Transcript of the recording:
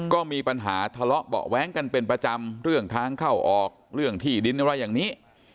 ก็มีปัญหาทะเลาะเบาะแว้งกันเป็นประจำเรื่องทางเข้าออกเรื่องที่ดินอะไรอย่างนี้